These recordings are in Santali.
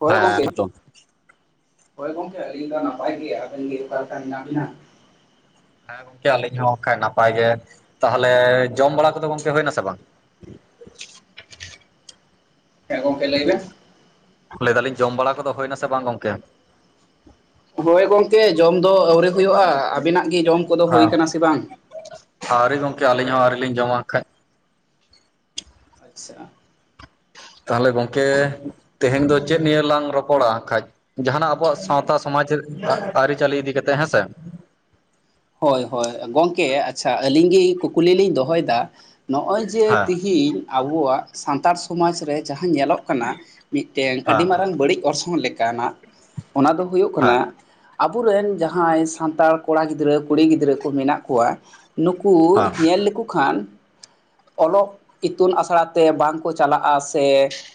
ᱦᱳᱭ ᱦᱮᱸ ᱜᱚᱢᱠᱮ ᱱᱤᱛᱚᱜ ᱦᱳᱭ ᱜᱚᱢᱠᱮ ᱟᱹᱞᱤᱧ ᱫᱚ ᱱᱟᱯᱟᱭ ᱜᱮ ᱟᱵᱮᱱ ᱜᱮ ᱚᱠᱟᱞ ᱞᱮᱠᱟ ᱢᱮᱱᱟᱜ ᱵᱤᱱᱟ? ᱦᱮᱸ ᱜᱚᱝᱠᱮ ᱟᱹᱞᱤᱧ ᱦᱚᱸ ᱚᱱᱠᱟ ᱱᱟᱯᱟᱭ ᱜᱮ ᱛᱟᱦᱚᱞᱮ ᱡᱚᱢ ᱵᱟᱲᱟ ᱠᱚᱫᱚ ᱜᱚᱝᱠᱮ ᱦᱩᱭ ᱱᱟ ᱥᱮ ᱵᱟᱝ? ᱪᱮᱫ ᱜᱚᱢᱠᱮ ᱞᱟᱹᱭ ᱵᱮᱱ? ᱞᱟᱹᱭ ᱫᱟᱞᱤᱧ ᱡᱚᱢ ᱵᱟᱲᱟ ᱠᱚᱫᱚ ᱦᱩᱭᱱᱟ ᱥᱮ ᱵᱟᱝ ᱜᱚᱝᱠᱮ? ᱦᱳᱭ ᱜᱚᱝᱠᱮ ᱡᱚᱢ ᱫᱚ ᱟᱹᱣᱨᱤ ᱦᱩᱭᱩᱜᱼᱟ ᱟᱵᱤᱱᱟᱜ ᱜᱮ ᱡᱚᱢ ᱠᱚᱫᱚ ᱦᱳᱭ ᱦᱮᱸ ᱟᱠᱟᱱᱟ ᱥᱮ ᱵᱟᱝ? ᱟᱹᱣᱨᱤ ᱜᱚᱢᱠᱮ ᱟᱹᱞᱤᱧ ᱦᱚᱸ ᱟᱹᱣᱨᱤ ᱞᱤᱧ ᱡᱚᱢᱟ ᱠᱷᱟᱱᱼᱼ ᱟᱪᱪᱷᱟ᱾ ᱛᱟᱦᱚᱞᱮ ᱜᱚᱝᱠᱮ ᱛᱮᱦᱮᱧ ᱫᱚᱼᱼ ᱪᱮᱫ ᱱᱤᱭᱟᱹ ᱞᱟᱝ ᱨᱚᱯᱚᱲᱟ ᱠᱷᱟᱡ ᱡᱟᱦᱟᱱᱟᱜ ᱟᱵᱚᱣᱟᱜ ᱥᱟᱶᱛᱟ ᱥᱚᱢᱟᱡᱽ ᱟᱹᱨᱤᱪᱟᱹᱞᱤ ᱤᱫᱤ ᱠᱟᱛᱮᱫ ᱦᱮᱸ ᱥᱮ? ᱦᱳᱭ ᱦᱳᱭ ᱜᱚᱢᱠᱮ ᱟᱪᱪᱷᱟ ᱟᱹᱞᱤᱧ ᱜᱮ ᱠᱩᱠᱞᱤ ᱞᱤᱧ ᱫᱚᱦᱚᱭ ᱮᱫᱟ? ᱱᱚᱜᱼᱚᱭ ᱡᱮ ᱦᱮᱸ ᱛᱤᱦᱤᱧ ᱟᱵᱚᱣᱟᱜ ᱥᱟᱱᱛᱟᱲ ᱥᱚᱢᱟᱡᱽ ᱨᱮᱼᱼ ᱡᱟᱦᱟᱸ ᱧᱮᱞᱚᱜ ᱠᱟᱱᱟ ᱢᱤᱫᱴᱮᱱ ᱟᱹᱰᱤ ᱦᱮᱸ ᱢᱟᱨᱟᱝ ᱵᱟᱹᱲᱤᱡ ᱚᱨᱥᱚᱝ ᱞᱮᱠᱟᱱᱟᱜ᱾ ᱚᱱᱟ ᱫᱚ ᱦᱩᱭᱩᱜ ᱦᱮᱸ ᱠᱟᱱᱟ ᱟᱵᱚᱨᱮᱱ ᱡᱟᱦᱟᱸᱭ ᱥᱟᱱᱛᱟᱲ ᱠᱚᱲᱟ ᱜᱤᱫᱽᱨᱟᱹᱼᱼ ᱠᱩᱲᱤ ᱜᱤᱫᱽᱨᱟᱹ ᱠᱚ ᱢᱮᱱᱟᱜ ᱠᱚᱣᱟ ᱱᱩᱠᱩ ᱦᱮᱸ ᱧᱮᱞ ᱞᱮᱠᱚ ᱠᱷᱟᱱᱼᱼ ᱚᱞᱚᱜ ᱤᱛᱩᱱ ᱟᱥᱲᱟ ᱛᱮ ᱵᱟᱝ ᱠᱚ ᱪᱟᱞᱟᱜᱼᱟ ᱥᱮᱼᱼ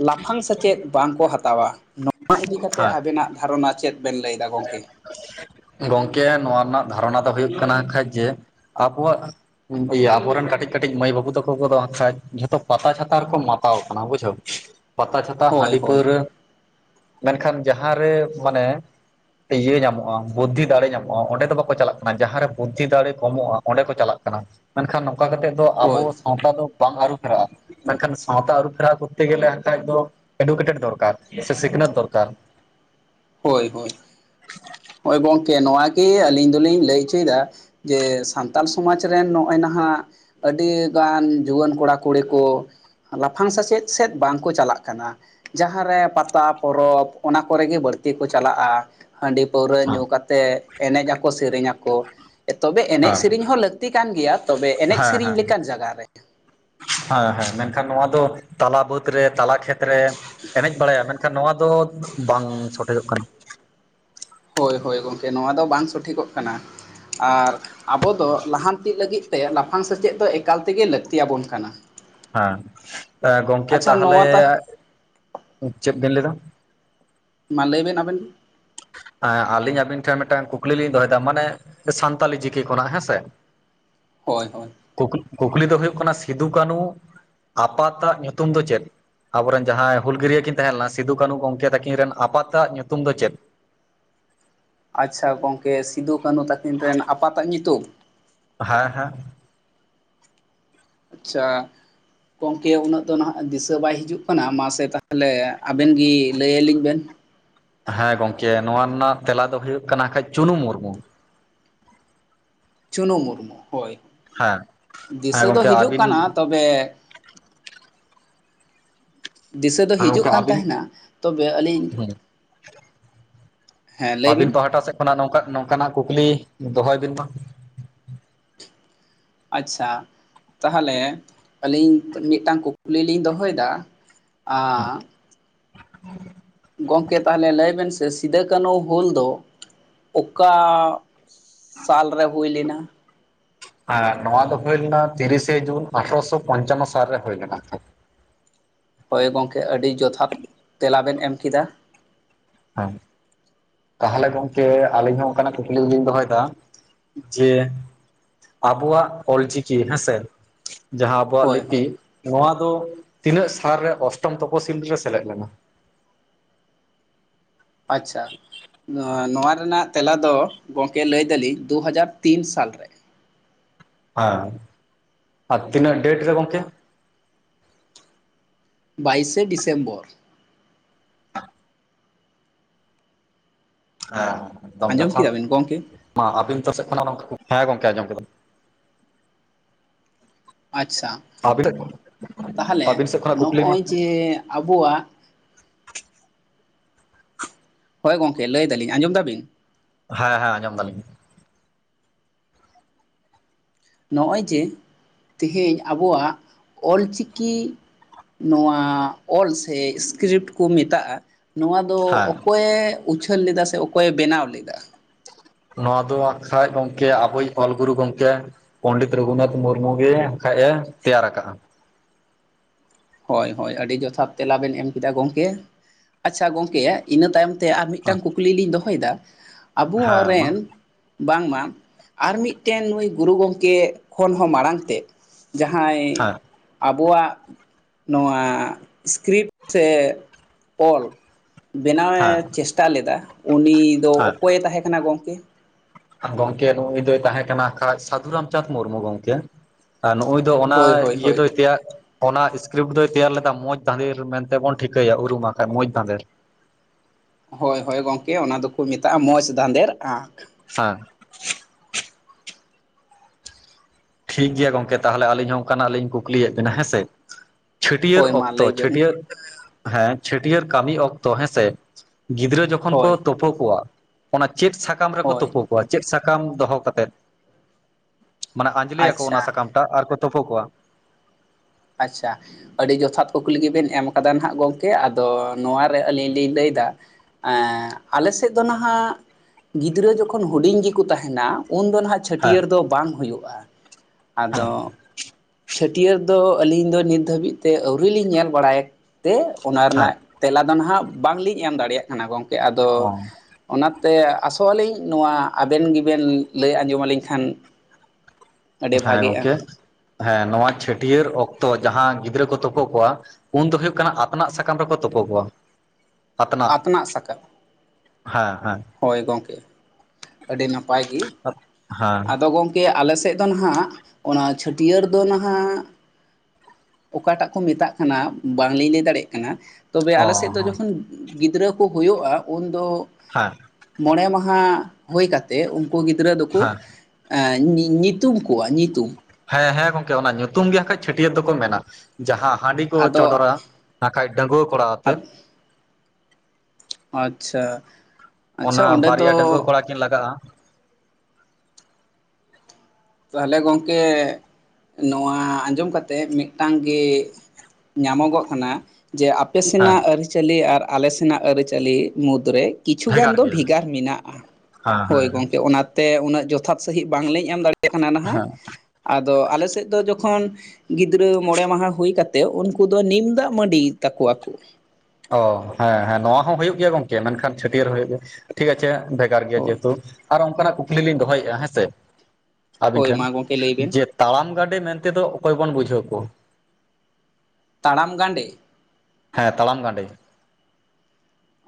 ᱞᱟᱯᱷᱟᱝ ᱥᱮᱪᱮᱫ ᱵᱟᱝᱠᱚ ᱦᱟᱛᱟᱣᱟ ᱱᱚᱣᱟ ᱤᱫᱤ ᱠᱟᱛᱮ ᱟᱵᱮᱱᱟᱜ ᱫᱷᱟᱨᱚᱱᱟ ᱪᱮᱫ ᱵᱮᱱ ᱞᱟᱹᱭ? ᱫᱟ ᱜᱚᱢᱠᱮ ᱜᱚᱝᱠᱮ ᱱᱚᱣᱟ ᱨᱮᱱᱟᱜ ᱫᱷᱟᱨᱚᱱᱟ ᱫᱚ ᱦᱩᱭᱩᱜ ᱠᱟᱱᱟ ᱠᱷᱟᱡ ᱡᱮ ᱟᱵᱚᱣᱟᱜ᱾ ᱤᱭᱟᱹ ᱟᱵᱚᱨᱮᱱ ᱠᱟᱹᱴᱤᱡ ᱠᱟᱹᱴᱤᱡ ᱢᱟᱹᱭ ᱵᱟᱹᱵᱩ ᱛᱟᱠᱚ ᱠᱚᱫᱚ ᱠᱷᱟᱡ ᱡᱷᱚᱛᱚ ᱯᱟᱛᱟ ᱪᱷᱟᱛᱟ ᱨᱮᱠᱚ ᱢᱟᱛᱟᱣ ᱠᱟᱱᱟ ᱵᱩᱡᱷᱟᱹᱣ᱾ ᱯᱟᱛᱟ ᱪᱷᱟᱛᱟ ᱦᱳᱭ ᱦᱟᱹᱰᱤ ᱦᱳᱭ ᱯᱟᱹᱣᱨᱟᱹ ᱢᱮᱱᱠᱷᱟᱱ ᱡᱟᱦᱟᱸ ᱨᱮ ᱢᱟᱱᱮᱼᱼ ᱤᱭᱟᱹ ᱧᱟᱢᱚᱜᱼᱟ ᱵᱩᱫᱽᱫᱷᱤ ᱫᱟᱲᱮ ᱧᱟᱢᱚᱜᱼᱟ ᱚᱸᱰᱮ ᱫᱚ ᱵᱟᱠᱚ ᱪᱟᱞᱟᱜ ᱠᱟᱱᱟ ᱡᱟᱦᱟᱸᱨᱮ ᱵᱩᱫᱽᱫᱷᱤ ᱫᱟᱲᱮ ᱠᱚᱢᱚᱜᱼᱟ ᱚᱸᱰᱮ ᱠᱚ ᱪᱟᱞᱟᱜ ᱠᱟᱱᱟ᱾ ᱢᱮᱱ ᱠᱷᱟᱱ ᱱᱚᱝᱠᱟ ᱠᱟᱛᱮᱫ ᱫᱚ ᱟᱵᱚ ᱦᱳᱭ ᱥᱟᱶᱛᱟ ᱫᱚ ᱵᱟᱝ ᱟᱹᱨᱩ ᱯᱷᱮᱨᱟᱜᱼᱟ᱾ ᱵᱟᱠᱷᱟᱱ ᱥᱟᱶᱛᱟ ᱟᱹᱨᱩ ᱯᱷᱮᱨᱟᱣ ᱠᱚᱨᱛᱮ ᱜᱮᱞᱮ ᱠᱷᱟᱡ ᱫᱚ ᱮᱰᱩᱠᱮᱴᱮᱴ ᱫᱚᱨᱠᱟᱨ ᱥᱮ ᱥᱤᱠᱷᱱᱟᱹᱛ ᱫᱚᱨᱠᱟᱨ᱾ ᱦᱳᱭ ᱦᱳᱭ ᱦᱳᱭ ᱜᱚᱝ ᱠᱮ ᱱᱚᱣᱟ ᱜᱮ ᱟᱹᱞᱤᱧ ᱫᱚᱞᱤᱧ ᱞᱟᱹᱭ ᱦᱚᱪᱚᱭ ᱮᱫᱟ ᱡᱮ ᱥᱟᱱᱛᱟᱞ ᱥᱚᱢᱟᱡᱽ ᱨᱮᱱ ᱱᱚᱜᱼᱚᱭ ᱱᱟᱦᱟᱜᱼᱼ ᱟᱹᱰᱤ ᱜᱟᱱ ᱡᱩᱣᱟᱹᱱ ᱠᱚᱲᱟᱼᱠᱩᱲᱤ ᱠᱚᱼᱼ ᱞᱟᱯᱷᱟᱝ ᱥᱮᱪᱮᱫ ᱥᱮᱫ ᱵᱟᱝᱠᱚ ᱪᱟᱞᱟᱜ ᱠᱟᱱᱟ᱾ ᱡᱟᱦᱟᱸᱨᱮ ᱯᱟᱛᱟ ᱯᱚᱨᱚᱵᱽ ᱚᱱᱟ ᱠᱚᱨᱮ ᱜᱮ ᱵᱟᱹᱲᱛᱤ ᱠᱚ ᱪᱟᱞᱟᱜᱼᱟ, ᱦᱟᱺᱰᱤ ᱯᱟᱹᱣᱨᱟᱹ ᱧᱩ ᱠᱟᱛᱮᱫ ᱮᱱᱮᱡ ᱟᱠᱚ ᱥᱮᱨᱮᱧ ᱟᱠᱚ ᱮ ᱛᱚᱵᱮ ᱮᱱᱮᱡ ᱦᱮᱸ ᱥᱮᱨᱮᱧ ᱦᱚᱸ ᱞᱟᱹᱠᱛᱤ ᱞᱟᱹᱠᱛᱤ ᱠᱟᱱ ᱜᱮᱭᱟ ᱛᱚᱵᱮ ᱮᱱᱮᱡ ᱦᱮᱸ ᱥᱮᱨᱮᱧ ᱦᱮᱸ ᱞᱮᱠᱟᱱ ᱡᱟᱭᱜᱟ ᱨᱮ᱾ ᱦᱮᱸ ᱦᱮᱸ ᱢᱮᱱᱠᱷᱟᱱ ᱱᱚᱣᱟ ᱫᱚ ᱛᱟᱞᱟ ᱵᱟᱹᱫᱽ ᱨᱮ ᱛᱟᱞᱟ ᱠᱷᱮᱛ ᱨᱮ ᱮᱱᱮᱡ ᱵᱟᱲᱟᱭᱟ ᱢᱮᱱ ᱢᱮᱱᱠᱷᱟᱱ ᱱᱚᱣᱟ ᱫᱚ ᱵᱟᱝ ᱥᱚᱴᱷᱮᱜᱚᱜ ᱠᱟᱱᱟ᱾ ᱦᱳᱭ ᱦᱳᱭ ᱜᱚᱢᱠᱮ ᱱᱚᱣᱟ ᱫᱚ ᱵᱟᱝ ᱥᱚᱴᱷᱤᱠᱚᱜ ᱠᱟᱱᱟ ᱟᱨ ᱟᱵᱚ ᱫᱚ ᱞᱟᱦᱟᱱᱛᱤ ᱞᱟᱹᱜᱤᱫ᱾ ᱛᱮ ᱞᱟᱯᱷᱟᱝ ᱥᱮᱪᱮᱫ ᱫᱚ ᱮᱠᱟᱞ ᱛᱮᱜᱮ ᱞᱟᱹᱠᱛᱤᱭ ᱟᱵᱚᱱ ᱠᱟᱱᱟ, ᱦᱮᱸ ᱜᱚᱢᱠᱮ ᱟᱪᱪᱷᱟ ᱛᱟᱦᱚᱞᱮ ᱱᱚᱣᱟ ᱛᱟ ᱪᱮᱫ ᱵᱮᱱ ᱞᱟᱹᱭ ᱮᱫᱟ᱾ ᱢᱟ ᱞᱟᱹᱭ ᱵᱮᱱ ᱟᱵᱮᱱ ᱜᱮ᱾ ᱦᱮᱸ ᱟᱹᱞᱤᱧ ᱟᱵᱤᱱ ᱴᱷᱮᱱ ᱢᱤᱫᱴᱟᱝ ᱠᱩᱠᱞᱤ ᱞᱤᱧ ᱫᱚᱦᱚᱭ ᱮᱫᱟ ᱢᱟᱱᱮ ᱥᱟᱱᱛᱟᱞᱤ ᱪᱤᱠᱤ ᱠᱷᱚᱱᱟᱜ ᱦᱮᱸ ᱥᱮ, [unintelligible] ᱦᱳᱭ ᱠᱩᱠᱞᱤ ᱠᱩᱠᱞᱤ ᱫᱚ ᱦᱩᱭᱩᱜ ᱠᱟᱱᱟ ᱥᱤᱫᱩ ᱠᱟᱹᱱᱩ ᱟᱯᱟᱛᱟᱜ ᱧᱩᱛᱩᱢ ᱫᱚ ᱪᱮᱫ? ᱟᱵᱚ ᱨᱮᱱ ᱡᱟᱦᱟᱸᱭ ᱦᱩᱞᱜᱟᱹᱨᱤᱭᱟᱹ ᱠᱤᱱ ᱛᱟᱦᱮᱸ ᱞᱮᱱᱟ ᱥᱤᱫᱩ ᱠᱟᱹᱱᱦᱩ ᱜᱚᱢᱠᱮ ᱛᱟᱹᱠᱤᱱ ᱨᱮᱱ ᱟᱯᱟᱛᱟᱜ ᱧᱩᱛᱩᱢ ᱫᱚ ᱪᱮᱫ᱾ ᱟᱪᱪᱷᱟ ᱜᱚᱝᱠᱮ ᱥᱤᱫᱩ ᱠᱟᱹᱱᱦᱩ ᱛᱟᱹᱠᱤᱱ ᱨᱮᱱ ᱟᱯᱟᱛᱟᱜ ᱧᱩᱛᱩᱢ, ᱦᱮᱸ ᱦᱮᱸ᱾ ᱟᱪᱪᱷᱟ, ᱜᱚᱢᱠᱮ ᱩᱱᱟᱹᱜ ᱫᱚ ᱱᱟᱦᱟᱜ ᱫᱤᱥᱟᱹ ᱵᱟᱭ ᱦᱤᱡᱩᱜ ᱠᱟᱱᱟ ᱢᱟᱥᱮ ᱛᱟᱦᱚᱞᱮ ᱟᱵᱮᱱ ᱜᱮ ᱞᱟᱹᱭ ᱟᱞᱤᱧ ᱵᱮᱱ, ᱦᱮᱸ ᱜᱚᱝᱠᱮ ᱱᱚᱣᱟ ᱨᱮᱱᱟᱜ ᱛᱮᱞᱟ ᱫᱚ ᱦᱩᱭᱩᱜ ᱠᱟᱱᱟ ᱠᱷᱟᱡ ᱪᱩᱱᱩ ᱢᱩᱨᱢᱩ, ᱪᱩᱱᱩ ᱢᱩᱨᱢᱩ ᱦᱳᱭ ᱦᱮᱸ ᱦᱮᱸ ᱫᱤᱥᱟᱹ ᱫᱚ ᱜᱚᱝᱠᱮ ᱦᱤᱡᱩᱜ ᱟᱹᱵᱤᱱ ᱠᱟᱱᱟ ᱛᱚᱵᱮ, ᱫᱤᱥᱟᱹ ᱫᱚ ᱦᱮᱸ ᱦᱤᱡᱩᱜ ᱜᱚᱝᱠᱮ ᱠᱟᱱ ᱟᱹᱵᱤᱱ ᱛᱟᱦᱮᱱᱟ ᱛᱚᱵᱮ ᱟᱹᱞᱤᱧ᱾ ᱦᱩᱸ ᱦᱮᱸ ᱞᱟᱹᱭ ᱟᱹᱵᱤᱱ ᱵᱤᱱ ᱯᱟᱦᱴᱟ ᱥᱮᱫ ᱠᱷᱚᱱᱟᱜ ᱱᱚᱝᱠᱟᱱᱟᱜ ᱠᱩᱠᱞᱤ ᱫᱚᱦᱚᱭ ᱵᱤᱱ ᱢᱟ, ᱟᱪᱪᱷᱟ ᱛᱟᱦᱚᱞᱮ ᱟᱹᱞᱤᱧ ᱢᱤᱫᱴᱟᱝ ᱠᱩᱠ ᱠᱩᱠᱞᱤ ᱞᱤᱧ ᱫᱚᱦᱚᱭᱫᱟ ᱟᱸᱻ [unintelligible] ᱜᱚᱢᱠᱮ ᱛᱟᱦᱚᱞᱮ ᱞᱟᱹᱭ ᱵᱮᱱ ᱥᱮ, ᱥᱤᱫᱟᱹ ᱠᱟᱹᱱᱦᱩ ᱦᱩᱞ ᱫᱚ ᱚᱠᱟ ᱥᱟᱞᱨᱮ ᱦᱩᱭ ᱞᱮᱱᱟ᱾ ᱟᱨ ᱱᱚᱶᱟ ᱫᱚ ᱦᱩᱭᱳᱭ ᱞᱮᱱᱟ ᱛᱤᱨᱤᱥᱮ ᱡᱩᱱ ᱟᱴᱷᱨᱚᱥᱚ ᱯᱚᱧᱪᱟᱱᱱᱚ ᱥᱟᱞᱨᱮ ᱦᱩᱭᱞᱱᱟ, ᱦᱚᱭ ᱜᱚᱢᱠᱮ ᱟᱹᱰᱤ ᱡᱚᱛᱷᱟᱛ ᱛᱮᱞᱟ ᱵᱮᱱ ᱮᱢ ᱠᱮᱫᱟ, ᱦᱮᱸ ᱛᱟᱦᱚᱞᱮ ᱜᱚᱢᱠᱮ ᱟᱹᱞᱤᱧ ᱦᱚᱸ ᱚᱱᱠᱟᱱᱟᱜ ᱠᱩᱠᱞᱤ ᱜᱮ ᱞᱤᱧ ᱫᱚᱦᱚᱭ ᱫᱟ ᱡᱮ ᱟᱵᱚᱣᱟᱜ ᱚᱞᱪᱤᱠᱤ ᱦᱮᱸ ᱥᱮ, ᱡᱟᱦᱟᱸ ᱟᱵᱚᱣᱟᱜ ᱦᱳᱭ ᱞᱤᱯᱤ ᱦᱳᱭ ᱱᱚᱣᱟ ᱫᱚ ᱛᱤᱱᱟᱹᱜ ᱥᱟᱞ ᱨᱮ ᱚᱥᱴᱚᱢ ᱛᱚᱯᱚᱥᱤᱞ ᱨᱮ ᱥᱮᱞᱮᱫ ᱞᱮᱱᱟ, ᱟᱪᱪᱷᱟ, ᱱᱚᱣᱟ ᱨᱮᱱᱟᱜ ᱛᱮᱞᱟ ᱫᱚ ᱜᱚᱢᱠᱮ ᱞᱟᱹᱭ ᱫᱟᱞᱤᱧ ᱫᱩ ᱦᱟᱡᱟᱨ ᱛᱤᱱ ᱥᱟᱞ ᱨᱮ, ᱦᱟᱸ ᱟᱨ ᱛᱤᱱᱟᱹᱜ ᱰᱮᱴ ᱨᱮ ᱜᱚᱢᱠᱮ, ᱵᱟᱭᱤᱥᱮ ᱰᱤᱥᱮᱢᱵᱚᱨ, ᱦᱮᱸ ᱮᱠᱫᱚᱢ ᱟᱸᱡᱚᱢ ᱡᱚᱛᱷᱟᱛ ᱠᱮᱫᱟ ᱵᱤᱱ ᱜᱚᱢᱠᱮ ᱢᱟ ᱟᱵᱤᱱ ᱛᱚ ᱥᱮᱫ ᱠᱷᱚᱱᱟᱜ ᱦᱮᱸ ᱜᱚᱢᱠᱮ ᱟᱸᱡᱚᱢ ᱠᱮᱫᱟ᱾ ᱟᱪᱪᱷᱟ ᱟᱹᱵᱤᱱ ᱛᱟᱦᱚᱞᱮ ᱟᱹᱵᱤᱱ ᱥᱮᱫ ᱠᱷᱚᱱᱟᱜ ᱠᱩᱠᱞᱤ ᱢᱟ ᱱᱚᱜ-ᱚᱭ ᱦᱮᱸ ᱡᱮ ᱟᱵᱚᱣᱟᱜ, ᱦᱳᱭ ᱜᱚᱢᱠᱮ ᱞᱟᱹᱭ ᱫᱟᱞᱤᱧ ᱟᱸᱡᱚᱢ ᱮᱫᱟ ᱵᱤᱱ, ᱦᱮᱸ ᱦᱮᱸ ᱟᱸᱡᱚᱢ ᱮᱫᱟᱞᱤᱧ, ᱱᱚᱜ-ᱚᱭ ᱡᱮ ᱛᱮᱦᱮᱧ ᱟᱵᱚᱣᱟᱜ ᱚᱞ ᱪᱤᱠᱤ, ᱱᱚᱣᱟ ᱚᱞ ᱥᱮ ᱤᱥᱠᱨᱤᱯᱴ ᱠᱚ ᱢᱮᱛᱟᱜ-ᱟ, ᱱᱚᱣᱟ ᱫᱚ ᱦᱮᱸ ᱚᱠᱚᱭᱮ ᱩᱪᱷᱟᱹᱱ ᱞᱮᱫᱟ ᱥᱮ ᱚᱠᱚᱭᱮ ᱵᱮᱱᱟᱣ ᱞᱮᱫᱟ, ᱱᱚᱣᱟ ᱫᱚ ᱦᱟᱸᱜ ᱠᱷᱟᱡ ᱜᱚᱝᱠᱮ ᱟᱵᱚᱭᱤᱡ ᱚᱞ ᱜᱩᱨᱩ ᱜᱚᱝᱠᱮ, ᱯᱚᱱᱰᱤᱛ ᱨᱚᱜᱷᱩᱱᱟᱛᱷ ᱢᱩᱨᱢᱩ ᱜᱮ ᱦᱟᱸᱜ ᱠᱷᱟᱡ ᱮ ᱛᱮᱭᱟᱨ ᱟᱠᱟᱜᱼᱟ᱾ ᱦᱳᱭ ᱦᱳᱭ ᱟᱹᱰᱤ ᱡᱚᱛᱷᱟᱛ ᱛᱮᱞᱟ ᱵᱮᱱ ᱮᱢ ᱠᱮᱫᱟ ᱜᱚᱢᱠᱮ ᱟᱪᱪᱷᱟ ᱜᱚᱢᱠᱮ ᱤᱱᱟᱹ ᱛᱟᱭᱚᱢ ᱛᱮ ᱟᱨ ᱢᱤᱫᱴᱟᱱ ᱠᱩᱠᱞᱤ ᱞᱤᱧ ᱫᱚᱦᱚᱭ ᱮᱫᱟ ᱟᱵᱚ ᱦᱮᱸ ᱢᱟ ᱨᱮᱱ, ᱵᱟᱝᱢᱟ ᱟᱨ ᱢᱤᱫᱴᱮᱱ ᱱᱩᱭ ᱜᱩᱨᱩ ᱜᱚᱢᱠᱮ ᱠᱷᱚᱱ ᱦᱚᱸ ᱢᱟᱲᱟᱝ ᱛᱮ, ᱡᱟᱦᱟᱸᱭ ᱦᱮᱸ ᱟᱵᱚᱣᱟᱜ ᱱᱚᱣᱟ ᱥᱠᱨᱤᱯᱴ ᱥᱮ ᱚᱞ ᱵᱮᱱᱟᱣᱮ ᱦᱮᱸ ᱪᱮᱥ ᱛᱟ ᱞᱮᱫᱟ ᱩᱱᱤ ᱫᱚ ᱦᱮᱸ᱾ ᱚᱠᱚᱭᱮ ᱛᱟᱦᱮᱸ ᱠᱟᱱᱟ ᱜᱚᱢᱠᱮ? ᱜᱚᱝᱠᱮ ᱱᱩᱜ ᱩᱭ ᱫᱚᱭ ᱛᱟᱦᱮᱸ ᱠᱟᱱᱟ ᱦᱟᱸᱜ ᱠᱷᱟᱡᱽ ᱥᱟᱫᱷᱩ ᱨᱟᱢᱪᱟᱸᱫᱽ ᱢᱩᱨᱢᱩ ᱜᱚᱝᱠᱮ ᱟᱨ ᱱᱩᱜ ᱩᱭ, ᱫᱚ ᱚᱱᱟ ᱦᱳᱭ ᱦᱳᱭ ᱤᱭᱟᱹ ᱦᱳᱭ ᱫᱚ ᱜᱚᱢᱠᱮ ᱛᱮᱭᱟᱨ, ᱚᱱᱟ ᱤᱥᱠᱨᱤᱯᱴ ᱫᱚᱭ ᱛᱮᱭᱟᱨ ᱞᱮᱫᱟ ᱢᱚᱡᱽ ᱫᱷᱟᱸᱫᱮᱨ ᱢᱮᱱᱛᱮ ᱵᱚᱱ ᱴᱷᱤᱠᱟᱹᱭᱟ ᱩᱨᱩᱢᱟ ᱦᱟᱸᱜ ᱠᱷᱟᱡ ᱢᱚᱡᱽ ᱫᱷᱟᱸᱫᱮᱨ, ᱦᱳᱭ ᱦᱳᱭ ᱜᱚᱢᱠᱮ ᱚᱱᱟ ᱫᱚᱠᱚ ᱢᱮᱛᱟᱜᱼᱟ ᱢᱚᱡᱽ ᱫᱷᱟᱸᱫᱮᱨ ᱟᱸᱠ᱾ ᱥᱟ, ᱴᱷᱤᱠ ᱜᱮᱭᱟ ᱜᱚᱝᱠᱮ ᱛᱟᱦᱚᱞᱮ ᱟᱹᱞᱤᱧ ᱦᱚᱸ ᱚᱱ ᱠᱟᱱᱟᱜ ᱞᱤᱧ ᱠᱩᱠᱞᱤᱭᱮᱫ ᱵᱤᱱᱟᱹ ᱦᱮᱸ ᱥᱮ, ᱪᱷᱟᱹᱴᱭᱟᱹᱨ ᱦᱳᱭ ᱢᱟ ᱚᱠᱛᱚ ᱞᱟᱹᱭ ᱵᱮᱱ ᱪᱷᱟᱹᱴᱭᱟᱹᱨ, ᱦᱮᱸ ᱪᱷᱟᱹᱴᱭᱟᱹᱨ ᱠᱟᱹᱢᱤ ᱚᱠᱛᱚ ᱦᱮᱸᱥᱮ ᱜᱤᱫᱽᱨᱟᱹ ᱡᱚᱠᱷᱚᱱ ᱠᱚ ᱦᱳᱭ ᱛᱳᱯᱳ ᱠᱚᱣᱟ, ᱚᱱᱟ ᱪᱮᱫ ᱥᱟᱠᱟᱢ ᱨᱮᱠᱚ ᱦᱳᱭ ᱛᱳᱯᱳ ᱠᱚᱣᱟ ᱪᱮᱫ ᱥᱟᱠᱟᱢ ᱫᱚᱦᱚ ᱠᱟᱛᱮᱜ ᱢᱟᱱᱮ ᱟᱸᱧᱡᱞᱮᱭ ᱟᱠᱚ ᱚᱱᱟ ᱟᱪᱪᱷᱟ ᱥᱟᱠᱟᱢ ᱴᱟᱜ ᱟᱨ ᱠᱚ ᱛᱩᱯᱩ ᱠᱚᱣᱟ᱾ ᱟᱪᱪᱷᱟ᱾ ᱟᱹᱰᱤ ᱡᱚᱛᱷᱟᱛ ᱠᱩᱠᱞᱤ ᱜᱮᱵᱮᱱ ᱮᱢ ᱠᱟᱫᱟ ᱱᱟᱦᱟᱜ ᱜᱚᱝᱠᱮ ᱟᱫᱚ ᱱᱚᱣᱟ ᱨᱮ ᱟᱹᱞᱤᱧ ᱞᱤᱧ ᱞᱟᱹᱭ ᱫᱟ ᱮᱸᱻ ᱟᱞᱮ ᱥᱮᱫ ᱫᱚ ᱱᱟᱦᱟᱜ ᱜᱤᱫᱽᱨᱟᱹ ᱡᱚᱠᱷᱚᱱ ᱦᱩᱰᱤᱧ ᱜᱮᱠᱚ ᱛᱟᱦᱮᱱᱟ ᱩᱱ ᱫᱚ ᱱᱟᱦᱟᱜ, ᱦᱮᱸ ᱪᱷᱟᱹᱴᱭᱟᱹᱨ ᱫᱚ ᱵᱟᱝ ᱦᱩᱭᱩᱜᱼᱟ᱾ ᱟᱫᱚ ᱪᱷᱟᱹᱴᱭᱟᱹᱨ ᱫᱚ ᱟᱹᱞᱤᱧ ᱫᱚ ᱱᱤᱛ ᱫᱷᱟᱹᱵᱤᱡ ᱛᱮ ᱟᱹᱣᱨᱤ ᱞᱤᱧ ᱧᱮᱞ ᱵᱟᱲᱟᱭ ᱛᱮ ᱚᱱᱟ ᱦᱮᱸ ᱨᱮᱱᱟᱜ, ᱛᱮᱞᱟ ᱫᱚ ᱱᱟᱦᱟᱜ ᱵᱟᱝᱞᱤᱧ ᱮᱢ ᱫᱟᱲᱮᱭᱟᱜ ᱠᱟᱱᱟ ᱜᱚᱢᱠᱮ ᱟᱫᱚ, ᱚ ᱟᱱᱟᱛᱮ ᱟᱥᱚᱜ ᱟᱹᱞᱤᱧ ᱱᱚᱣᱟ ᱟᱵᱮᱱ ᱜᱮᱵᱮᱱ ᱞᱟᱹᱭ ᱟᱸᱡᱚᱢ ᱟᱹᱞᱤᱧ ᱠᱷᱟᱱ᱾ ᱟᱹᱰᱤ ᱦᱮᱸ ᱵᱷᱟᱜᱮᱜᱼᱟ ᱜᱚᱝᱠᱮ᱾ ᱦᱮᱸ ᱱᱚᱣᱟ ᱪᱷᱟᱹᱴᱭᱟᱹᱨ ᱚᱠᱛᱚ ᱡᱟᱦᱟᱸ ᱜᱤᱫᱽᱨᱟᱹ ᱠᱚ ᱛᱳᱯᱳ ᱠᱚᱣᱟ᱾ ᱩᱱ ᱫᱚ ᱦᱩᱭᱩᱜ ᱠᱟᱱᱟ ᱟᱛᱱᱟᱜ ᱥᱟᱠᱟᱢ ᱨᱮᱠᱚ ᱛᱳᱯᱳ ᱠᱚᱣᱟ᱾ ᱟᱛᱱᱟᱜ ᱦᱮᱸ ᱦᱮᱸ᱾ ᱦᱳᱭ ᱜᱚᱝᱠᱮ ᱟᱹᱰᱤ ᱱᱟᱯᱟᱭ ᱜᱮ ᱦᱮᱸ ᱟᱫᱚ ᱜᱚᱝ ᱠᱮ ᱟᱞᱮ ᱥᱮᱫ ᱫᱚ ᱱᱟᱦᱟᱜ ᱚᱱᱟ ᱪᱷᱟᱹᱴᱭᱟᱹᱨ ᱫᱚ ᱱᱟᱦᱟᱜ, ᱚᱠᱟᱴᱟᱜ ᱠᱚ ᱢᱮᱛᱟᱜ ᱠᱟᱱᱟ ᱵᱟᱝᱞᱤᱧ ᱞᱟᱹᱭ ᱫᱟᱲᱮᱜ ᱠᱟᱱᱟ᱾ ᱛᱚᱵᱮ ᱚ ᱟᱞᱮ ᱥᱮᱫ ᱫᱚ ᱡᱚᱠᱷᱚᱱ ᱜᱤᱫᱽᱨᱟᱹ ᱠᱚ ᱦᱩᱭᱩᱜᱼᱟ ᱩᱱ ᱫᱚ, ᱦᱟᱸ᱾ ᱢᱚᱬᱮ ᱢᱟᱦᱟ ᱦᱳᱭ ᱠᱟᱛᱮ ᱩᱱᱠᱩ ᱜᱤᱫᱽᱨᱟᱹ ᱫᱩᱠᱚ, ᱦᱮᱸ ᱦᱮᱸ ᱧᱤᱼᱧᱤᱛᱩᱢ ᱠᱚᱣᱟ ᱧᱩᱛᱩᱢ, ᱦᱮᱸ ᱦᱮᱸ ᱜᱚᱝᱠᱮ ᱚᱱᱟ ᱧᱩᱛᱩᱢ ᱜᱮ ᱦᱟᱸᱜ ᱠᱷᱟᱡᱽ ᱪᱷᱟᱹᱴᱭᱟᱹᱨ ᱫᱚᱠᱚ ᱢᱮᱱᱟ᱾ ᱡᱟᱦᱟᱸ ᱦᱟᱺᱰᱤ ᱠᱚ ᱟᱫᱚ ᱪᱚᱰᱚᱨᱟ ᱱᱟᱠᱷᱟᱡ ᱰᱟᱺᱝᱜᱩᱣᱟᱹ ᱠᱚᱲᱟ ᱟᱛᱮ, ᱟᱪᱪᱷᱟ ᱟᱪᱪᱷᱟ ᱚᱱᱟ ᱚᱸᱰᱮ ᱫᱚ᱾ ᱵᱟᱨᱭᱟ ᱰᱟᱺᱜᱩᱣᱟᱹ ᱠᱚᱲᱟ ᱠᱤᱱ ᱞᱟᱜᱟᱜᱼᱟ᱾ ᱛᱟᱦᱚᱞᱮ ᱜᱚᱝᱠᱮ ᱱᱚᱣᱟ ᱟᱸᱡᱚᱢ ᱠᱟᱛᱮ ᱢᱤᱫᱴᱟᱝ ᱜᱮ, ᱧᱟᱢᱚᱜᱚᱜ ᱠᱟᱱᱟ ᱡᱮ ᱟᱯᱮ ᱦᱮᱸ ᱥᱮᱱᱟᱜ ᱟᱹᱨᱤᱪᱟᱹᱞᱤ ᱟᱨ ᱟᱞᱮ ᱥᱮᱱᱟᱜ ᱟᱹᱨᱤᱪᱟᱹᱞᱤ ᱢᱩᱫᱽᱨᱮ, ᱠᱤᱪᱷᱩ ᱜᱟᱱ ᱫᱚ ᱵᱷᱮᱜᱟᱨ ᱢᱮᱱᱟᱜᱼᱟ᱾ ᱦᱮᱸ ᱦᱳᱭ ᱦᱮᱸ ᱜᱚᱝᱠᱮ ᱚᱱᱟᱛᱮ ᱩᱱᱟᱹᱜ ᱡᱚᱛᱷᱟᱛ ᱥᱟᱺᱦᱤᱡ ᱵᱟᱝᱞᱤᱧ ᱮᱢ ᱫᱟᱲᱮᱜ, ᱠᱟᱱᱟ ᱱᱟᱦᱟᱜ ᱟᱫᱚ ᱟᱞᱮ ᱥᱮᱫ ᱫᱚ ᱡᱚᱠᱷᱚᱱ ᱜᱤᱫᱽᱨᱟᱹ ᱢᱚᱬᱮ ᱢᱟᱦᱟ ᱦᱩᱭ ᱠᱟᱛᱮ ᱩᱱᱠᱩ ᱫᱚ ᱱᱤᱢ ᱫᱟᱜ ᱢᱟᱺᱰᱤ ᱛᱟᱠᱚᱣᱟ ᱠᱚ ᱾ ᱚ ᱦᱮᱸ ᱦᱮᱸ ᱱᱚᱣᱟ ᱦᱚᱸ ᱦᱩᱭᱩᱜ ᱜᱮᱭᱟ ᱜᱚᱝᱠᱮ ᱢᱮᱱᱠᱷᱟᱱ ᱪᱷᱟᱹᱴᱭᱟᱹᱨ ᱦᱩᱭᱩᱜ ᱫᱚ ᱾ ᱴᱷᱤᱠ ᱟᱪᱷᱮ ᱵᱷᱮᱜᱟᱨ ᱜᱮᱭᱟ ᱦᱳᱭ ᱡᱮᱦᱛᱩ, ᱟᱨ ᱚᱱᱠᱟ ᱱᱟᱜ ᱠᱩᱠᱞᱤ ᱞᱤᱧ ᱫᱚᱦᱚᱭᱮᱜᱼᱟ ᱦᱮᱸ ᱥᱮ ᱾ ᱟᱵᱤᱱ ᱦᱳᱭ ᱴᱷᱮᱱ ᱢᱟ ᱜᱚᱢᱠᱮ ᱞᱟᱹᱭ ᱵᱮᱱ ᱡᱮ ᱛᱟᱲᱟᱢ ᱜᱟᱰᱮ ᱢᱮᱱᱛᱮ ᱫᱚ ᱚᱠᱚᱭ ᱵᱚᱱ ᱵᱩᱡᱷᱟᱹᱣ ᱠᱚᱣᱟ ᱾ ᱛᱟᱲᱟᱢ ᱜᱟᱸᱰᱮ ᱾ ᱦᱮᱸ ᱛᱟᱲᱟᱢ ᱜᱟᱸᱰᱮ ᱾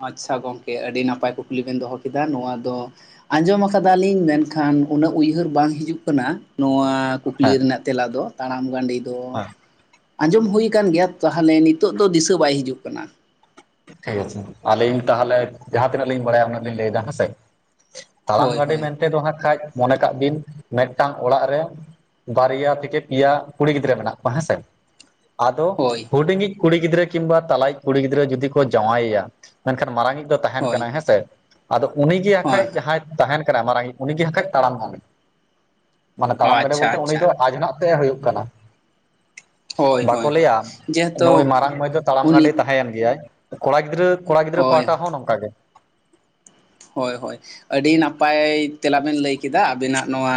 ᱟᱪᱪᱷᱟ ᱜᱚᱝᱠᱮ, ᱟᱹᱰᱤ ᱱᱟᱯᱟᱭ ᱠᱩᱠᱞᱤ ᱵᱤᱱ ᱫᱚᱦᱚ ᱠᱮᱫᱟ ᱱᱚᱣᱟ ᱫᱚ ᱾ ᱟᱸᱡᱚᱢ ᱟᱠᱟᱫᱟ ᱞᱤᱧ ᱢᱮᱱᱠᱷᱟᱱ ᱩᱱᱟᱹᱜ ᱩᱭᱦᱟᱹᱨ ᱵᱟᱝ ᱦᱤᱡᱩᱜ ᱠᱟᱱᱟ, ᱱᱚᱣᱟᱼᱼ ᱚᱱᱟ ᱠᱩᱠᱞᱤ ᱦᱮᱸ ᱨᱮᱱᱟᱜ ᱛᱮᱞᱟ ᱫᱚ ᱛᱟᱲᱟᱢ ᱜᱟᱸᱰᱮ ᱫᱚᱼᱼ ᱦᱮᱸ ᱟᱸᱡᱚᱢ ᱦᱩᱭ ᱠᱟᱱ ᱜᱮᱭᱟ ᱛᱟᱦᱮᱞᱮ ᱱᱤᱛᱚᱜ ᱫᱚ ᱫᱤᱥᱟᱹ ᱵᱟᱭ ᱦᱤᱡᱩᱜ ᱠᱟᱱᱟ ᱾ ᱴᱷᱤᱠ ᱟᱪᱷᱮ ᱟᱹᱞᱤᱧ ᱛᱟᱦᱮᱞᱮ ᱡᱟᱦᱟᱸ ᱛᱤᱱᱟᱹᱜ ᱞᱤᱧ ᱵᱟᱲᱟᱭᱟ ᱩᱱᱟᱹᱜ ᱞᱤᱧ ᱞᱟᱹᱭᱫᱟ ᱦᱮᱸᱥᱮ ᱾ ᱛᱟᱲᱟᱢ ᱦᱳᱭ ᱜᱟᱸᱰᱮ ᱦᱳᱭ ᱢᱮᱱᱛᱮ ᱫᱚ ᱦᱟᱸᱜ ᱠᱷᱟᱸᱡ ᱢᱚᱱᱮ ᱠᱟᱜ ᱵᱤᱱ ᱢᱤᱫᱴᱟᱝ ᱚᱲᱟᱜ ᱨᱮᱼᱼ ᱵᱟᱨᱭᱟ ᱛᱷᱮᱠᱮ ᱯᱮᱭᱟ ᱠᱩᱲᱤ ᱜᱤᱫᱽᱨᱟᱹ ᱢᱮᱱᱟᱜ ᱠᱚᱣᱟ ᱦᱮᱸ ᱥᱮ ᱾ ᱟᱫᱚ ᱦᱳᱭ ᱦᱩᱰᱤᱧᱤᱡ ᱠᱩᱲᱤ ᱜᱤᱫᱽᱨᱟᱹ ᱠᱤᱱᱵᱟ ᱛᱟᱞᱟᱭᱤᱡ ᱠᱩᱲᱤ ᱜᱤᱫᱽᱨᱟᱹ ᱡᱩᱫᱤ ᱠᱚ ᱡᱟᱶᱟᱣ ᱮᱭᱟᱼᱼ ᱢᱮᱱᱠᱷᱟᱱ ᱢᱟᱨᱟᱝ ᱤᱡ ᱫᱚ ᱛᱟᱦᱮᱱ ᱦᱳᱭ ᱠᱟᱱᱟᱭ ᱦᱮᱸᱥᱮ, ᱟᱫᱚ ᱩᱱᱤᱜᱮ ᱟᱠᱷᱟᱡ ᱦᱮᱸ ᱡᱟᱦᱟᱸᱭᱼᱼ ᱛᱟᱦᱮᱱ ᱠᱟᱱᱟᱭ ᱢᱟᱨᱟᱝᱤᱡ ᱩᱱᱤᱜᱮ ᱦᱟᱠᱷᱟᱡ ᱛᱟᱲᱟᱢ ᱜᱟᱸᱰᱮ ᱢᱟᱱᱮ ᱛᱟᱲᱟᱢ ᱜᱟᱸᱰᱮ ᱟᱪᱪᱷᱟ ᱵᱚᱞᱛᱮ ᱩᱱᱤ ᱟᱪᱪᱷᱟ ᱫᱚ ᱟᱡᱱᱽᱱᱟᱨ ᱾ ᱛᱮ ᱦᱩᱭᱩᱜ ᱠᱟᱱᱟ ᱾ ᱦᱳᱭ ᱵᱟᱠᱚ ᱦᱳᱭ ᱦᱳᱭ ᱞᱟᱹᱭᱟ ᱡᱮᱦᱮᱛᱩ ᱱᱩᱭ ᱢᱟᱨᱟᱝ ᱢᱟᱹᱭ ᱫᱚ ᱛᱟᱲᱟᱢ ᱩᱱᱤ ᱜᱟᱹᱰᱮ ᱛᱟᱦᱮᱸᱭᱮᱱ ᱜᱮᱭᱟᱭ ᱾ ᱠᱚᱲᱟ ᱜᱤᱫᱽᱨᱟᱹ ᱠᱚᱲᱟ ᱜᱤᱫᱽᱨᱟᱹ ᱦᱳᱭ ᱯᱟᱦᱴᱟ ᱦᱚᱸ ᱱᱚᱝᱠᱟ ᱜᱮ ᱾ ᱦᱚᱭ ᱦᱚᱭ ᱟᱹᱰᱤ ᱱᱟᱯᱟᱭ ᱛᱮᱞᱟᱵᱮᱱ ᱞᱟᱹᱭ ᱠᱮᱫᱟ ᱟᱹᱵᱤᱱᱟᱜ ᱱᱚᱣᱟᱼᱼ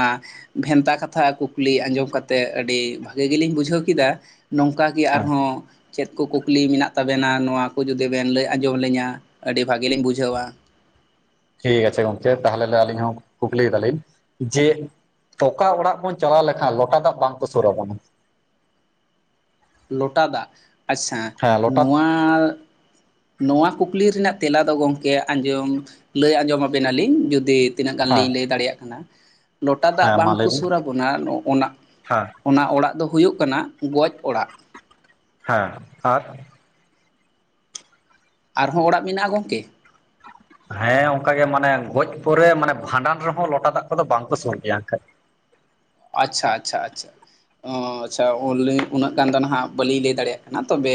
ᱵᱷᱮᱱᱛᱟ ᱠᱟᱛᱷᱟ ᱠᱩᱠᱞᱤ ᱟᱸᱡᱚᱢ ᱠᱟᱛᱮ ᱟᱹᱰᱤ ᱵᱷᱟᱜᱮ ᱜᱮᱞᱤᱧ ᱵᱩᱡᱷᱟᱹᱣ ᱠᱮᱫᱟ ᱾ ᱱᱚᱝᱠᱟ ᱜᱮ ᱟᱨᱦᱚᱸᱼᱼ ᱪᱮᱫ ᱠᱚ ᱠᱩᱠᱞᱤ ᱢᱮᱱᱟᱜ ᱛᱟᱵᱮᱱᱟ ᱱᱚᱣᱟ ᱠᱚ ᱡᱩᱫᱤ ᱵᱮᱱ ᱞᱟᱹᱭ ᱟᱸᱡᱚᱢ ᱞᱤᱧᱟᱹ ᱟᱹᱰᱤ ᱵᱷᱟᱹᱜᱤ ᱞᱤᱧ ᱵᱩᱡᱷᱟᱹᱣᱟ ᱾ ᱴᱷᱤᱠ ᱟᱪᱷᱮ ᱜᱚᱝᱠᱮ ᱛᱟᱦᱚᱞᱮ ᱟᱹᱞᱤᱧ ᱦᱚᱸ ᱠᱩᱠᱞᱤᱤᱭ ᱫᱟᱞᱤᱧ ᱡᱮᱼᱼ ᱚᱠᱟ ᱚᱲᱟᱜ ᱵᱚᱱ ᱪᱟᱞᱟᱣ ᱞᱮᱠᱷᱟᱱ ᱞᱚᱴᱟ ᱫᱟᱜ ᱵᱟᱝᱠᱚ ᱥᱩᱨ ᱟᱵᱚᱱᱟ ᱾ ᱞᱚᱴᱟ ᱫᱟᱜ ᱟᱪᱪᱷᱟ ᱦᱮᱸ ᱞᱚᱴᱟ ᱱᱚᱣᱟᱼᱼ ᱱᱚᱣᱟ ᱠᱩᱠᱞᱤ ᱨᱮᱱᱟᱜ ᱛᱮᱞᱟ ᱫᱚ ᱜᱚᱢᱠᱮ ᱟᱸᱡᱚᱢ ᱞᱟᱹᱭ ᱟᱸᱡᱚᱢ ᱟᱵᱮᱱᱟᱞᱤᱧ ᱡᱩᱫᱤᱼᱼ ᱛᱤᱱᱟᱹᱜ ᱜᱟᱱ ᱦᱮᱸ ᱞᱤᱧ ᱞᱟᱹᱭ ᱫᱟᱲᱮᱭᱟᱜᱼᱟ ᱠᱟᱱᱟ, ᱞᱚᱴᱟ ᱫᱟᱜ ᱦᱮᱸ ᱢᱟ ᱵᱟᱝ ᱞᱟᱹᱭ ᱠᱚ ᱵᱤᱱ ᱥᱩᱨ ᱟᱵᱚᱱᱟ ᱱᱚᱜᱼᱚ ᱱᱟᱼᱼ ᱦᱮᱸ ᱚᱱᱟ ᱚᱲᱟᱜ ᱫᱚ ᱦᱩᱭᱩᱜ ᱠᱟᱱᱟ ᱜᱚᱡ ᱚᱲᱟᱜ ᱾ ᱦᱮᱸ ᱟᱨᱼᱼ ᱟᱨᱦᱚᱸ ᱚᱲᱟᱜ ᱢᱮᱱᱟᱜᱼᱟ ᱜᱚᱢᱠᱮ ᱾ ᱦᱮᱸ ᱚᱱᱠᱟ ᱜᱮ ᱢᱟᱱᱮ ᱜᱚᱡ ᱯᱚᱨᱮ ᱢᱟᱱᱮ ᱵᱷᱟᱸᱰᱟᱱ ᱨᱮᱦᱚᱸ ᱞᱚᱴᱟ ᱫᱟᱜ ᱠᱚᱫᱚ ᱵᱟᱝᱠᱚ ᱥᱩᱨ ᱜᱮᱭᱟ ᱮᱱᱠᱷᱟᱱ ᱾ ᱟᱪᱪᱷᱟ ᱟᱪᱪᱷᱟ ᱟᱪᱪᱷᱟ, ᱚ ᱟᱪᱪᱷᱟ ᱚᱱᱞᱤ ᱩᱱᱟᱹᱜ ᱜᱟᱱ ᱫᱚ ᱱᱟᱜ ᱵᱟᱹᱞᱤᱧ ᱞᱟᱹᱭ ᱫᱟᱲᱮᱭᱟᱜᱼᱟ ᱾ ᱛᱚᱵᱮ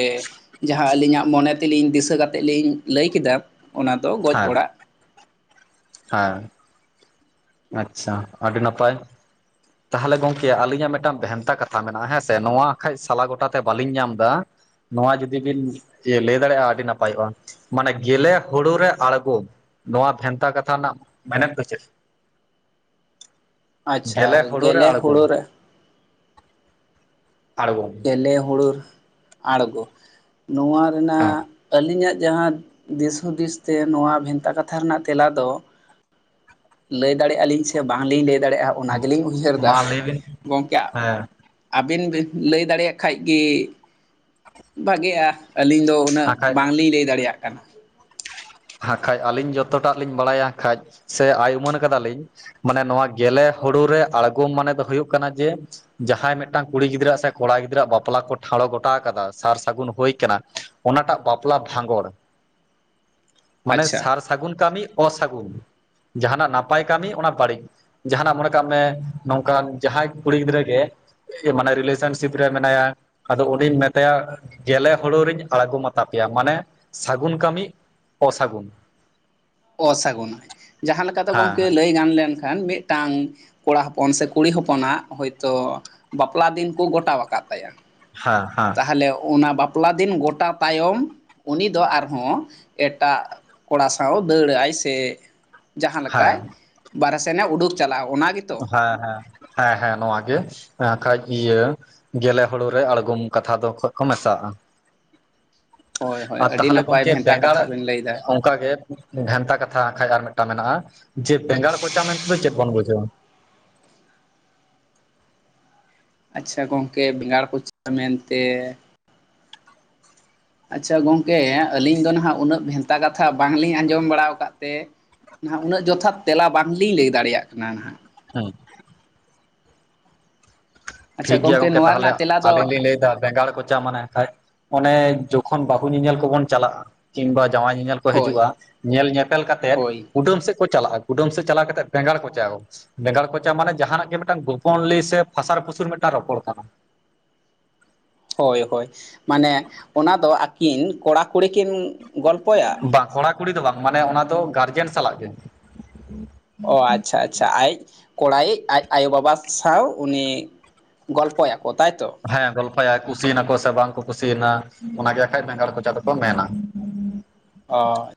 ᱡᱟᱦᱟᱸ ᱟᱹᱞᱤᱧᱟᱜ ᱢᱚᱱᱮ ᱛᱮᱞᱤᱧ ᱫᱤᱥᱟᱹ ᱠᱟᱛᱮᱫ ᱞᱤᱧ ᱞᱟᱹᱭ ᱠᱮᱫᱟᱼᱼ ᱚᱱᱟ ᱫᱚ ᱜᱚᱡ ᱦᱮᱸ ᱚᱲᱟᱜ ᱾ ᱦᱮᱸ, ᱟᱪᱪᱷᱟ ᱟᱹᱰᱤ ᱱᱟᱯᱟᱭ ᱾ ᱛᱟᱦᱚᱞᱮ ᱜᱚᱢᱠᱮ ᱟᱹᱞᱤᱧᱟᱜ ᱢᱤᱫᱴᱟᱝ ᱵᱷᱮᱱᱛᱟ ᱠᱟᱛᱷᱟ ᱢᱮᱱᱟᱜᱼᱟ ᱦᱮᱸ ᱥᱮ, ᱱᱚᱣᱟ ᱠᱷᱟᱱᱡ ᱥᱟᱞᱟ ᱜᱚᱴᱟ ᱛᱮ ᱵᱟᱞᱤᱧ ᱧᱟᱢ ᱮᱫᱟ ᱾ ᱱᱚᱣᱟ ᱡᱩᱫᱤ ᱵᱤᱱ ᱞᱟᱹᱭ ᱫᱟᱲᱮᱭᱟᱜᱼᱟ ᱟᱹᱰᱤ ᱱᱟᱯᱟᱭᱚᱜᱼᱟ ᱢᱟᱱᱮ ᱜᱮᱞᱮ ᱦᱩᱲᱩ ᱨᱮ ᱟᱬᱜᱚᱢ ᱾ ᱱᱚᱣᱟ ᱵᱷᱮᱱᱛᱟ ᱠᱟᱛᱷᱟ ᱨᱮᱱᱟᱜ ᱢᱮᱱᱮᱛ ᱫᱚ ᱪᱮᱫ? ᱟᱪᱪᱷᱟ ᱜᱮᱞᱮ ᱦᱩᱲᱩ ᱨᱮ ᱟᱬᱜᱚᱢ ᱦᱩᱲᱩ ᱨᱮ ᱟᱬᱜᱚᱢ ᱾ ᱜᱮᱞᱮ ᱦᱩᱲᱩ ᱟᱬᱜᱚ ᱱᱚᱣᱟ ᱦᱮᱸ ᱨᱮᱱᱟᱜᱼᱼ ᱟᱹᱞᱤᱧᱟᱜ ᱡᱟᱦᱟᱸ ᱫᱤᱥ ᱦᱩᱫᱤᱥ ᱛᱮ ᱱᱚᱣᱟ ᱵᱷᱮᱱᱛᱟ ᱠᱟᱛᱷᱟ ᱨᱮᱱᱟᱜ ᱛᱮᱞᱟ ᱫᱚᱼᱼ ᱞᱟᱹᱭ ᱫᱟᱲᱮᱭᱟᱜᱼᱟ ᱟᱞᱤᱧ ᱥᱮ ᱵᱟᱝᱞᱤᱧ ᱞᱟᱹᱭ ᱫᱟᱲᱮᱭᱟᱜᱼᱟ ᱚᱱᱟ ᱜᱮᱞᱤᱧ ᱩᱭᱦᱟᱹᱨᱫᱟ ᱢᱟ ᱞᱟᱹᱭ ᱵᱤᱱ ᱜᱚᱢᱠᱮ ᱦᱮᱸ ᱾ ᱟᱹᱵᱮᱱ ᱵᱤᱱ ᱞᱟᱹᱭ ᱫᱟᱲᱮᱭᱟᱜ ᱠᱷᱟᱡ ᱜᱮᱼᱼ ᱵᱷᱟᱜᱮᱜᱼᱟ ᱟᱹᱞᱤᱧ ᱫᱚ ᱩᱱᱟᱹᱜ ᱵᱟᱠᱷᱟᱡ ᱵᱟᱝᱞᱤᱧ ᱞᱟᱹᱭ ᱫᱟᱲᱮᱭᱟᱜᱼᱟ ᱠᱟᱱᱟ ᱾ ᱦᱟᱠᱷᱟᱡ ᱟᱹᱞᱤᱧ ᱡᱚᱛᱚᱴᱟᱜ ᱞᱤᱧ ᱵᱟᱲᱟᱭᱟ ᱦᱟᱠᱷᱟᱡ ᱥᱮ ᱟᱭ ᱩᱢᱟᱹᱱ ᱠᱟᱫᱟᱞᱤᱧ ᱢᱟᱱᱮ ᱱᱚᱣᱟ ᱜᱮᱞᱮ ᱦᱩᱲᱩ ᱨᱮ ᱟᱬᱜᱚᱢ ᱢᱟᱱᱮ ᱫᱚ ᱦᱩᱭᱩᱜ ᱠᱟᱱᱟ ᱡᱮ ᱡᱟᱦᱟᱸᱭ ᱢᱤᱫᱴᱟᱝ ᱠᱩᱲᱤ ᱜᱤᱫᱽᱨᱟᱹ ᱥᱮ ᱠᱚᱲᱟ ᱜᱤᱫᱽᱨᱟᱹᱣᱟᱜ ᱵᱟᱯᱞᱟ ᱠᱚ ᱴᱷᱟᱲᱚ ᱜᱚᱴᱟ ᱠᱟᱫᱟ ᱥᱟᱨ ᱥᱟᱹᱜᱩᱱ ᱦᱩᱭ ᱠᱟᱱᱟ ᱚᱱᱟᱴᱟᱜ ᱵᱟᱯᱞᱟ ᱵᱷᱟᱸᱜᱚᱲ ᱢᱟᱱᱮ ᱟᱪᱪᱷᱟ ᱥᱟᱨ ᱥᱟᱹᱜᱩᱱ ᱠᱟᱹᱢᱤ ᱚᱥᱟᱹᱜᱩᱱ, ᱡᱟᱦᱟᱸᱱᱟᱜ ᱱᱟᱯᱟᱭ ᱠᱟᱹᱢᱤ ᱚᱱᱟ ᱵᱟᱹᱲᱤᱡ᱾ ᱡᱟᱦᱟᱸᱱᱟᱜ ᱢᱚᱱᱮ ᱠᱟᱜ ᱢᱮ ᱱᱚᱝᱠᱟᱱ ᱡᱟᱦᱟᱸᱭ ᱠᱩᱲᱤ ᱜᱤᱫᱽᱨᱟᱹ ᱜᱮ ᱢᱟᱱᱮ ᱨᱤᱞᱮᱥᱚᱱᱥᱤᱯ ᱨᱮ ᱢᱮᱱᱟᱭᱟ, ᱟᱫᱚ ᱩᱱᱤᱧ ᱢᱮᱛᱟᱭᱟ ᱜᱮᱞᱮ ᱦᱩᱲᱳ ᱨᱤᱧ ᱟᱬᱜᱚᱢᱟᱛᱟ ᱯᱮᱭᱟ ᱢᱟᱱᱮ ᱥᱟᱹᱜᱩᱱ ᱠᱟᱹᱢᱤ ᱚ ᱥᱟᱹᱜᱩᱱ᱾ ᱚᱥᱟᱹᱜᱱᱟ, ᱡᱟᱦᱟᱸ ᱞᱮᱠᱟ ᱞᱮᱠᱟᱛᱮ ᱦᱮᱸ ᱜᱚᱢᱠᱮ ᱦᱮᱸ ᱞᱟᱹᱭ ᱜᱟᱱ ᱞᱮᱱᱠᱷᱟᱱ ᱢᱤᱫᱴᱟᱝ ᱠᱚᱲᱟ ᱦᱚᱯᱚᱱ ᱥᱮ ᱠᱩᱲᱤ ᱦᱚᱯᱚᱱᱟᱜ ᱦᱚᱳᱭᱛᱳ ᱵᱟᱯᱞᱟ ᱫᱤᱱ ᱠᱚ ᱜᱚᱴᱟ ᱠᱟᱫ ᱛᱟᱭᱟ, ᱦᱮᱸ ᱦᱮᱸ᱾ ᱛᱟᱦᱚᱞᱮ ᱚᱱᱟ ᱵᱟᱯᱞᱟ ᱫᱤᱱ ᱜᱚᱴᱟ ᱛᱟᱭᱚᱢ ᱩᱱᱤ ᱫᱚ ᱟᱨᱦᱚᱸ ᱮᱴᱟᱜ ᱠᱚᱲᱟ ᱥᱟᱶ ᱫᱟᱹᱲᱟᱭ ᱥᱮ ᱡᱟᱦᱟᱸ ᱞᱮᱠᱟᱭ ᱦᱮᱸ ᱵᱟᱨᱦᱮ ᱥᱮᱱᱮ ᱩᱰᱩᱠ ᱪᱟᱞᱟᱜᱼᱟ ᱚᱱᱟ ᱜᱮᱛᱚ? ᱦᱮᱸ ᱦᱮᱸ ᱦᱮᱸ ᱦᱮᱸ ᱱᱚᱣᱟ ᱜᱮ ᱟᱠᱷᱟᱡ ᱤᱭᱟᱹ ᱜᱮᱞᱮ ᱦᱩᱲᱩᱨ ᱨᱮ ᱟᱬᱜᱚᱢ ᱠᱟᱛᱷᱟ ᱫᱚ ᱠᱷᱚᱡ ᱠᱚ ᱢᱮᱥᱟᱜᱼᱟ᱾ ᱦᱳᱭ ᱦᱳᱭ ᱟᱨ ᱟᱹᱰᱤ ᱛᱟᱦᱚᱞᱮ ᱱᱟᱯᱟᱭ ᱜᱚᱝᱠᱮ ᱵᱷᱮᱱᱛᱟ ᱵᱮᱸᱜᱟᱲ ᱠᱟᱛᱷᱟ ᱵᱮᱱ ᱞᱟᱹᱭ ᱮᱫᱟ ᱚᱱᱠᱟᱜᱮ ᱵᱷᱮᱱᱛᱟ ᱠᱟᱛᱷᱟ ᱠᱷᱟᱡ ᱟᱨ ᱢᱤᱫᱴᱟᱝ ᱢᱮᱱᱟᱜᱼᱟ, ᱡᱮ ᱵᱮᱸᱜᱟᱲ ᱠᱚᱪᱟ ᱢᱮᱱᱛᱮᱫᱚ ᱪᱮᱫ ᱵᱚᱱ ᱵᱩᱡᱷᱟᱹᱣᱟ? ᱟᱪᱪᱷᱟ ᱜᱚᱢᱠᱮ ᱵᱮᱸᱜᱟᱲ ᱠᱚᱪᱟ ᱢᱮᱱᱛᱮ ᱟᱪᱪᱷᱟ ᱜᱚᱢᱠᱮ ᱟᱹᱞᱤᱧ ᱫᱚ ᱱᱟᱦᱟᱸᱜ ᱩᱱᱟᱹᱜ ᱵᱷᱮᱱᱛᱟ ᱠᱟᱛᱷᱟ ᱵᱟᱝᱞᱤᱧ ᱟᱸᱡᱚᱢ ᱵᱟᱲᱟ ᱠᱟᱫ ᱛᱮ ᱱᱟᱦᱟᱸᱜ ᱩᱱᱟᱹᱜ ᱡᱚᱛᱷᱟᱛ ᱛᱮᱞᱟ ᱵᱟᱝᱞᱤᱧ ᱞᱟᱹᱭ ᱫᱟᱲᱮᱭᱟᱜ ᱠᱟᱱᱟ ᱱᱟᱦᱟᱸᱜ᱾ ᱦᱮᱸ᱾ ᱟᱪᱪᱷᱟ ᱴᱷᱤᱠᱜᱮᱭᱟ ᱜᱚᱝᱠᱮ ᱱᱚᱣᱟ ᱛᱟᱦᱚᱞᱮ ᱨᱮᱱᱟᱜ ᱛᱮᱞᱟ ᱫᱚ ᱟᱹᱞᱤᱧ ᱞᱤᱧ ᱞᱟᱹᱭᱫᱟ, ᱵᱮᱸᱜᱟᱲ ᱠᱚᱪᱟ ᱢᱟᱱᱮ ᱠᱷᱟᱡ ᱚᱱᱮ ᱡᱚᱠᱷᱚᱱ ᱵᱟᱹᱦᱩ ᱧᱮᱧᱮᱞ ᱠᱚᱵᱚᱱ ᱪᱟᱞᱟᱜᱼᱟ ᱠᱤᱵᱟ ᱡᱟᱶᱟᱭ ᱧᱮᱧᱮᱞ ᱠᱚ ᱦᱳᱭ ᱦᱤᱡᱩᱜᱼᱟ, ᱧᱮᱞ ᱧᱮᱯᱮᱞ ᱠᱟᱛᱮᱮᱫ ᱦᱳᱭ ᱠᱩᱰᱟᱹᱢ ᱥᱮᱫ ᱠᱚ ᱪᱟᱞᱟᱜᱼᱟ, ᱠᱩᱰᱟᱹᱢ ᱥᱮᱫ ᱪᱟᱞᱟᱣ ᱠᱟᱛᱮᱫ ᱵᱮᱸᱜᱟᱲ ᱠᱚᱪᱟ ᱵᱮᱸᱜᱟᱲ ᱠᱚᱪᱟ ᱢᱟᱱᱮ ᱡᱟᱦᱟᱸᱱᱟᱜ ᱜᱮ ᱢᱤᱫᱴᱟᱝ ᱜᱳᱯᱚᱱ ᱞᱤ ᱥᱮ ᱯᱷᱟᱥᱟᱨ ᱯᱷᱩ ᱥᱩᱨ ᱢᱤᱫᱴᱟᱝ ᱨᱚᱯᱚᱲ ᱠᱟᱱᱟ, ᱦᱳᱭ ᱦᱳᱭ ᱢᱟᱱᱮ ᱚᱱᱟ ᱫᱚ ᱟᱹᱠᱤᱱ ᱠᱚᱲᱟ ᱠᱩᱲᱤ ᱠᱤᱱ ᱜᱚᱞᱯᱚᱭᱟ ᱵᱟᱝ ᱠᱚᱲᱟᱼᱠᱩᱲᱤ ᱫᱚ ᱵᱟᱝ ᱢᱟᱱᱮ ᱚᱱᱟ ᱫᱚ ᱜᱟᱨᱡᱮᱱ ᱥᱟᱞᱟᱜ ᱜᱮ᱾ ᱚ ᱟᱪᱪᱷᱟ ᱟᱪᱪᱷᱟ ᱟᱭᱤᱡ ᱠᱚᱲᱟᱭᱤᱡ ᱟᱡ ᱟᱭᱳᱼᱵᱟᱵᱟ ᱥᱟᱶ ᱩᱱᱤ ᱜᱚᱞᱯᱚᱭᱟᱠᱚ ᱛᱟᱭᱛᱚ ᱦᱮᱸ ᱜᱚᱞᱯᱷᱟᱭᱟ ᱠᱩᱥᱤᱭᱮᱱᱟᱠᱚ ᱥᱮ ᱵᱟᱝ ᱠᱚ ᱠᱩᱥᱤᱭᱮᱱᱟ ᱚᱱᱟᱜᱮ ᱵᱟᱠᱷᱟᱡ ᱵᱮᱸᱜᱟᱲ ᱠᱚᱪᱟ ᱫᱚᱠᱚ ᱢᱮᱱᱟ᱾ ᱚᱻ